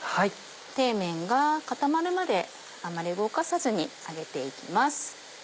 底面が固まるまであんまり動かさずに揚げていきます。